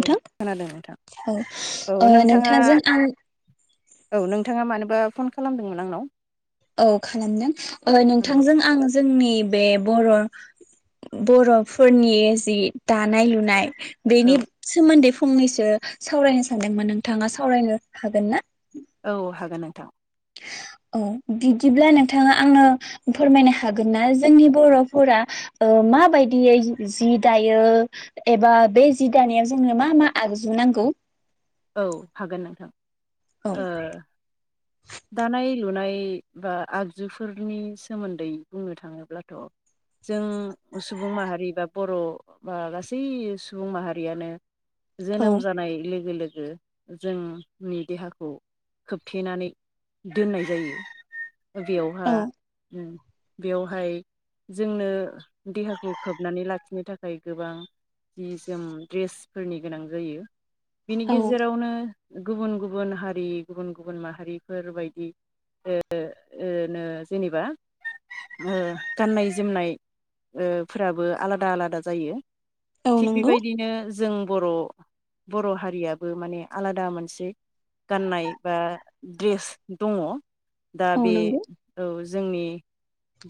औ खोनादों नोंथां औ ओ नोंथांजों आं औ नोंथाङा मानोबा फन खालामदोंमोन आंनाव? औ खालामदों ओ औ नोंथांजों आं जोंनि बे बर बरफोरनि जि दानाय लुनाय औ बेनिब सोमोन्दै फंनैसो सावरायनो सानदोंमोन नोंथाङा सावरायनो हागोन ना? औ हागोन नोंथां औ बिदिब्ला नोंथाङा आंनो फोरमायनो हागोन ना जोंनि बरफोरा ओ माबायदियौ जि दायो एबा बे जि दानायाव जोंनो मा मा आगजु नांगौ? औ हागोन नोंथां औ ओ दानाय लुनाय बा आगजुफोरनि सोमोन्दै बुंनो थाङोब्लाथ जों सुबुं माहारि बा बर बा गासै सुबुं माहारियानो औ जोनोम जानाय लोगो लोग गो जोंनि देहाखौ खोबथेनानै दोननाय जायो बेयावहा औ उम बेवहाय जोंनो देहाखौ खोबनानै लाखिनो थाखाय गोबां जि जोम द्रेसफोरनि गोनां जायो बिनि औ गेजेरावनो गुबुन गुबुन हारि गुबुन गुबुन माहारिफोरबायायदि ओ ओ ओनो जेनेबा ओ गाननाय जोमनाय ओ फोराबो आलादा आलादा जायो औ थिग नंगौ बेबायदिनो जों बर बर हार रियाबो माने आलादा मोनसे गाननाय बा द्रेस दङ दा औ बे नंगौ औ जोंनि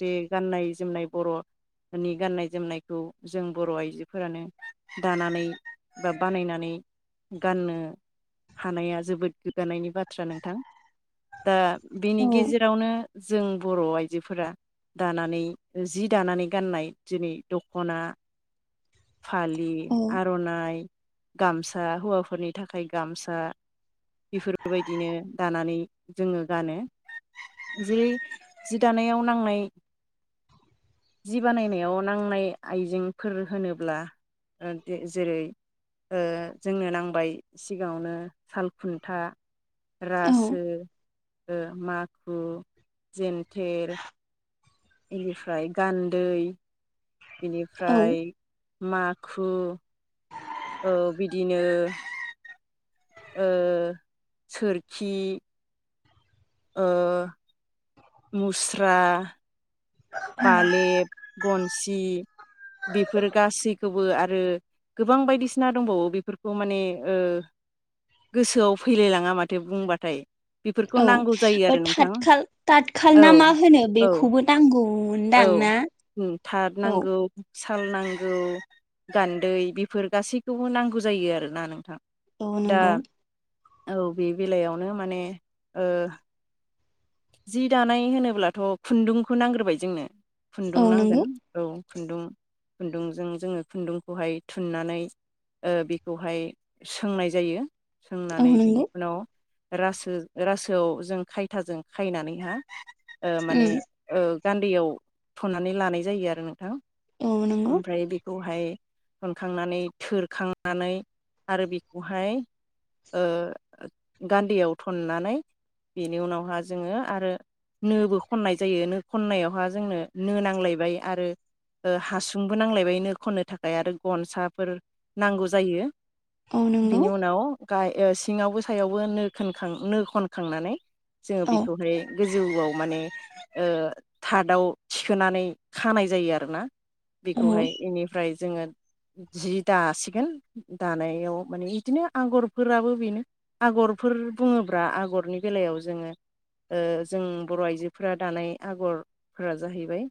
बे गाननाय जोमनाय बर नि गाननाय जोमनायखौ जों बर आइजोफोरानो दानानै बा बानायनानै गाननो बाथ्रा नोंथां दा बिनि औ गेजेरावनो जों बर आइजोफोरा दानानै जि दानानै गाननाय जेरै दखना फालि औ आरनाइ गामस सा हौवाफोरनि थाखाय गामसा बेफोरबायदिनो दानानै जोंङो गानो जि जि दानायाव नांनाय जोंनो नांबाय सिगाङावनो साल खुन्था रासो औ ओ माखु जेन्थेर इनिफ्राय गान्दै। औ बेनिफ्राय। माखु। औ बिदिनो। ओ सोरखि। ओ। मुस्रा। बालेब गनसि बेफोर गासै खौबो आरो गोबां बायदिसिना दंबावो बेफोरखौ माने ओ गोसोआव फैलायलाङा माथो बुंबाथाय बेफोरखौ औ नांगौ जायो ओ आरो नोंथां थाकाल टाटखाल औ ना मा होनो औ बेखौबो नांगौ। औ थार औ नांगौ। साल नांगौ गान्दै बेफोर गासैखौबो नांगौ जायो आरोना नोंथां। अ दा नोंगौ। औ बे बेलायावनो माने ओ। जि दानाय होनोब्लाथ खुन्दुंखौ नांग्रोबाय जोंनो खुन्दुं औ नांगोन नंगौ औ खुन्दुं खुन्दुंजों जोंङो खुन्दुंखौहाय थुननानै बेखौहाय सोंनाय जायो औ सोंनानै बिनि नंगौ उनाव रासो रासोआव जों खायथाजों खायनानै हा ओ माने उम ओ। गान्दैयाव थननानै लानाय जायो आरो नोंथां औ नंगौ ओमफ्राय बेखौ। फाय खनखांनानै थोरखांनानै आरो बेखौहाय ओ गान्दैआव थननानै बेनि उनावहा जोङो आरो नोबो खननाय जायो नो खननायावहा जोंनो नो नांलायबाय आरो। ओ हासुंबो नांलायबाय नो खननो थाखाय आरो गनसाफोर नांगौ जायो। औ नंगौ बिनि उनाव गाहाय ओ सिङावबो सायावबो नो खनखां नो खनखांनानै जोङो औ बेखौ गोजौआव माने ओ थार्दआव थिखोनानै खानाय जायो आरोना औ बेखौहाय बेनिफ्राय जोङो जि दासिगोन दानायाव माने बिदिनो आगरफोराबो बेनो आगरफोर बुङोब्ला आगरनि बेलायाव जोङो ओ जों बर' आइजोफोरा दानाय आगरफोरा जाहैबाय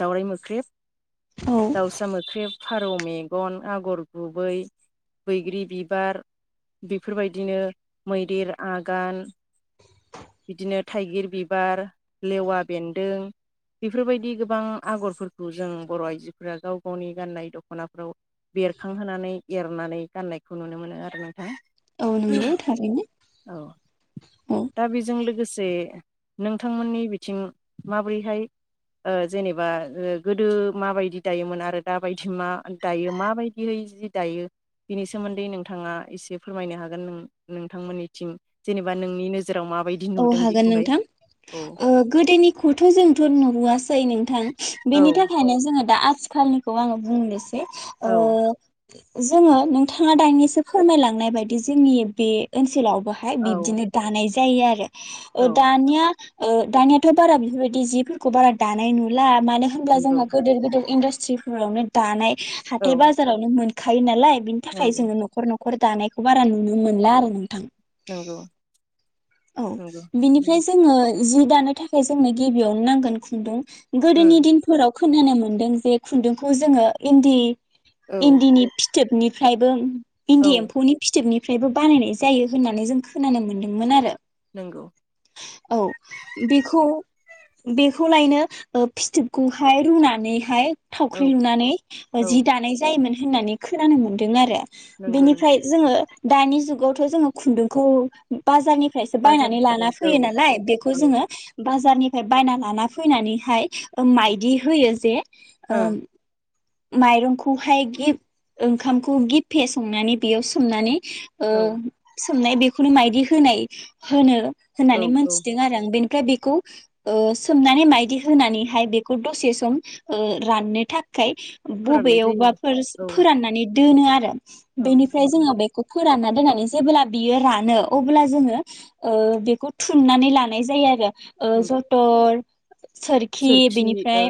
दावराइ मोख्रेब औ दाउसा मोख्रेब फारौ मेगन आगर गुबै बैग्रि बिबार बेफोरबायदिनो मैदेर आगान बिदिनो थाइगिर बिबार लेवा बेन्दों बेफोरबायदि गोबां आगरफोरखौ जों बर' आइजोफोरा गाव गावनि गाननाय दख'नाफ्राव बेरखांहोनानै एरनानै गाननायखौ नुनो मोनो आरो ना। औ नोंगौ थारैनो औ औ। दा बेजों लोगोसे नोंथांमोननि बिथिं माबोरैहाय ओ जेनेबा गोदो माबायदि दायोमोन आरो दाबायदि मा दायो माबायदिहै जि दायो बेनि सोमोन्दै नोंथाङा एसे फोरमायनो हागोन नों नोंथांमोननिथिं जेनेबा नोंनि नो औ हागोन नोंथां औ ओ गोदोनिखौथ' जोंथ' नुहआसै नोंथां औ बेनि थाखायनो जोङो दा आथिखालनिखौ आङो बुंनो सै ओ औ जोङो नोंथाङा दानिानिसो फोरमायलांनाय बायदि जोंनि बे ओनसोलाव हाय औ बिबदिनो दानाय जायो आरो। ओ औ दानिया ओ दानियाथ' बारा बेफोरबायदि जिफोरखौ बारा दानाय नुला मानो होनोमब्ला नंगौ जोंहा गोदोर गोदोर इनदास थिफोरावनो दानाय औ हाथाय बाजारावनो मोन खायो नालाय बिनि थाखाय नंगौ जोङो न'खर न' खर दानायखौ बारा नुनो मोनला आरो नोंथां। नोंगौ। औ बिनिफ्राय जोङो जि दानो थाखाय जोंनो गिबियावनो नांगोन खुन्दुं गोदोनि दिनफोराव खोनानो मोन्दों जे खुन्दुंखौ जोङो इन्दि औ इन्दिनि फिथोबनि फ्रायबो इन्दि औ एम्फौनि फिथोबनि फ्रायबो बानायनाय जायो होननानै जों खोनानो मोन्दोंमोन आरो। नंगौ औ बेखौ बेखौलायनो ओ फिथोबखौहाय रुनानैहाय औ थावख्रि लुनानै औ जि दानाय जायोमोन होननानै खोनानो मोन्दों आरो। नंगौ नों बेनिफ्राय जोङो दानि जुगावथ' जोङो खुन्दुंखौ बाजारनि बायनानै बाजारनिफ्राय लाना बायनाय औ फैयो नालाय बेखौ औ जोङो बाजारनिफ्राय बायना लाना फैनानैहाय ओम औ ओ माइदि होयो जे ओम माइरंखौहाय गि ओंखामखौ गेफे संनानै बेयाव सोमनानै ओ औ सोमनाय बेखौनो मायदि होनाय होनो औ होननानै औ मोनथिदों आरो आं बेनिफ्राय ओमफ्राय बेखौ ओ सोमनानै मायदि होनानैहाय बेखौ दसे सम ओ राननो थाखाय खाय फोराननाय जायो बबेयावबा फोर औ फोराननानै दोनो आरो औ बेनिफ्राय नंगौ जोङो बेखौ फोरानना दोननानै जेब्ला बियो रानो अब्ला जोङो ओ बेखौ थुननानै लानाय जायो आरो ओ नंगौ जतर सोरखि ओ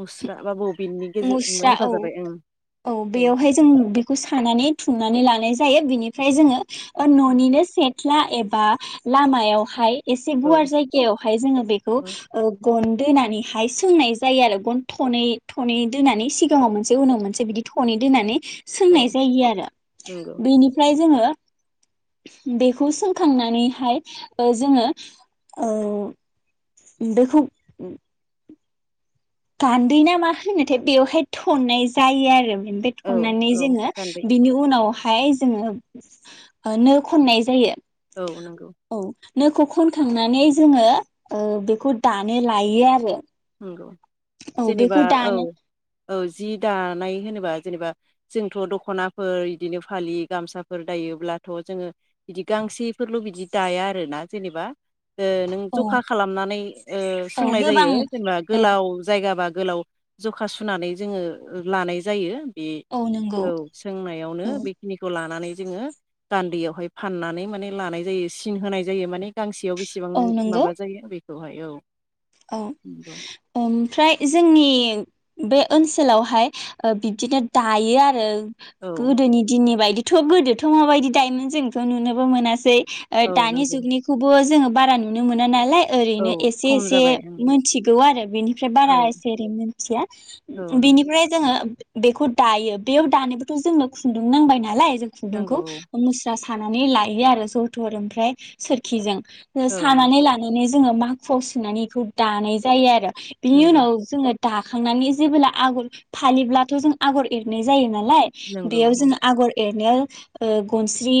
मुस्रा बा बबिननि गेजेर मुस्रा औ हेफाजाबै ओं औ बेयावहाय जों बेखौ सानानै थुनानै लानाय जायो बिनिफ्राय जोङो न'निनो सेट ख्ला एबा लामायावहाय एसे औ गुवार जायगायावहाय जोङो बेखौ औ गन दोनानैहाय सोंनाय जायो आरो गन थनै थनै दोननानै सिगाङाव मोनसे उनाव मोनसे बिदि थनै दोनानै औ सोंनाय जायो आरो नंगौ बेनिफ्राय जोङो बेखौ सोंखांनानैहाय ओ जोङो ओ बेखौ गान्दै नामा होनोथाय बेवहाय थननाय जायो आरो ओमफाय औ थननानै औ जोङो गान्दै बिनि उनाव हाय जोङो ओ नो खननाय जायो औ नोंगौ औ नोखौ खनखांनानै जोङो ओ बेखौ दानो लायो आरो नोंगौ औ बेखौ दानो औ जि दानाय होनोबा जेनेबा जोंथ' दखनाफोर इदिनो फालि गामसाफोर दायोब्लाथ' जोङो बिदि गांसेफोरल' बिदि दाया आरोना जेनेबा नों औ जखा खालामनानै ओ औ सोंनाय गोबां जायो जेनेबा औ गोलाव जायगा बा गोलाव जखा सुनानै जोङो लानाय जायो। बे औ सोंनायावनो औ बेखिनिखौ लानानै जोङो गान्दैयावहाय फाननानै माने लानाय जायो सिन होनाय जायो माने गांसेयाव बेसेबां औ नंगौ माबा जायो बे दहाय औ औ नंगौ ओमफ्राय जोंनि बे ओनसोलावहाय बिदिनो दायो आरो। औ गोदोनि दिननि बायदि थ' गोदोथ' माबायदि दायोमोन जोंथ' नुनोबो मोनासै। ओ औ दानि नंगौ जुगनिखौबो जोङो बारा नुनो मोना नालाय औ ओरैनो एसे खम एसे जाबाय ओं मोनथिगौ आरो बेनिफ्राय औ बारा एसे एरै मोनथिया औ नंगौ बिनिफ्राय जोङो बेखौ दायो बेयाव दानोबोथ' जोंनो खुन्दुं नांबाय नालाय जों खुन्दुंखौ नांगौ औ मुस्रा सा सानानै लायो आरो जोथोर ओमफ्राय सोरखिजों। ओ औ नंगौ सानानै लानानै जोङो माखुआव सोनानै इखौ दानाय जायो आरो। बिनि नंगौ उनाव जोङो दाखांनानै जेबोला आगर फालिब्लाथ' जों आगर एरनाय जायोमोन नालाय नंगौ बेयाव औ जों आगर एर नो गनस्रि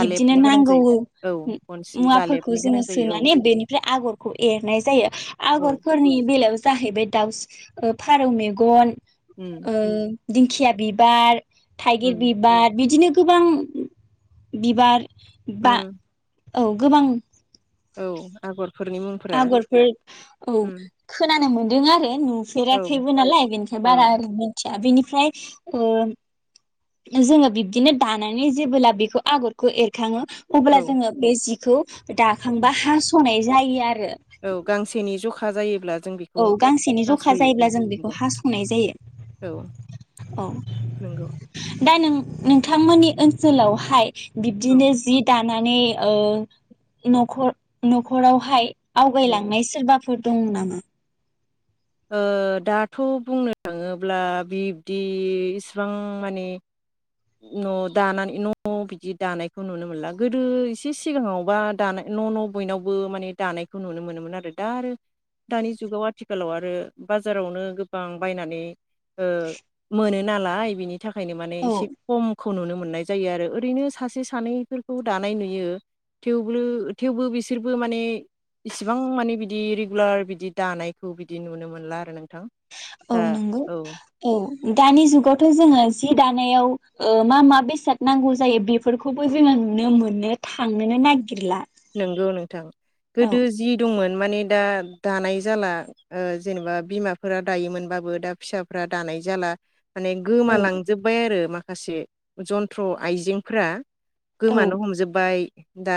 बिब्दिनो गोनां नांगौ जायो औ गनसि मुवाफोरखौ बालेबनि जोङो गोनां जायो औ सोनानै बेनिफ्राय आगर एरनाय जायो औ आगरफोरनि बेलायाव जाहैबाय दाउस फारौ मेगन उम ओ दिंखिया बिबार थाइगिर उम बिबार बिदिनो गोबां बिबार बा उम औ गोबां औ आगर आगरफोर औ खोनानो मोनो दों आरो? औ नुफेराखैबो नालाय बेनिखाय औ बारा ओरैनो दा बिनिफ्राय जोंङो बिब्दिनो दानानै जेबोला बेखौ आगरखौ एरखाङो अब्ला औ जोंङो बे जि खौ दाखांबा हासनाय जायो आरो। औ गांसेनि जखा। जायोब्ला जों औ बेखौ गांसेनि जखा नासयो जायोब्ला औ जों बेखौ नंगौ हा संनाय औ जायो औ। नंगौ दा नों नोंथांमोननि ओनसोलावहाय औ बिब्दिनो जि दान नानै नख नखरावहाय औ आवगायलांनाय सोरबा फोर दं नामा? ओ दाथ बुंनो थाङोब्ला बिब्दि इसिबां माने न दानानै न बिदि दानायखौ नुनो मोनला गोदो एसे सिगाङावबा दानाय न न बयनावबो माने दानायखौ नुनो मोनोमोन आरो दा आरो दानि जुगाव आथिखालाव आरो बाजारावनो गोबां बायनानै ओ मोन नालाय बिनि नि थाखायनो माने औ एसे खमखौ खौ नुनो मोननाय जायो आरो ओरैनो सासे सानैफोरखौ दानाय नुयोे थेवबो बिसोरबो माने इसिबां माने बिदि रेगुलार बिदि दानायखौ बि बिदि नुनो मोनला आरो नोंथां। औ नंगौ औ औ। दानि जुगावथ जोंङो जि दानायाव मा मा बेसाद नांगौ जायो बेफोरखौबो जोङो नुनो मोननो थांनोनो नागिर नोंगौ नोंथां औ गोदो जि दंमोन माने दा दानाय जाला ओ जेनेबा बिमाफोरा दायोमोनबाबो दा फिसाफोरा दानाय जाला माने औ गोमालांजोबबाय आरो मा माखासे जन्थ्र आइजें फोरा गोमानो हमजोबबाय। दा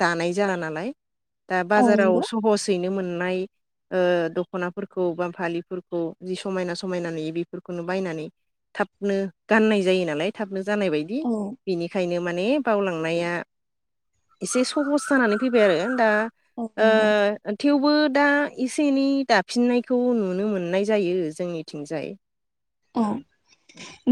दानाय जाला नालाय। दा औ बाजाराव नंगौ सहसयैनो मोन नाय ओ दखनाफोरखौ बा फालिफोरखौ जि समायना समायना नुयो बिफोरखौनो बायनानै थाबनो गाननाय जायो नालाय थाबनो जानाय बायदि औ बेनिखायनो माने बावलांनाया इसेस सहस जानानै फैबाय आरो दा औ ओ नंगौ ओन थेवबो दा एसे एनै दाफिननायखौ नुनो मोननाय जायो जोंनिथिंजाय अ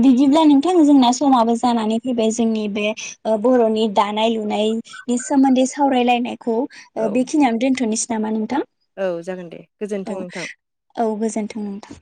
दिदिब्ला नों नोंथां जोंना समाबो जानानै फैबाय जोंनि बे ओ बर'नि दानाय लुनाय-नि सोमोन्दै सावरायलायनाय खौ ओ औ बेखिनियावनो दोनथ'नोस नामा नोंथां? औ जागोन दे। औ गोजोन्थों नोंथां औ गोजोनथों नोंथां।